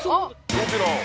どちらを？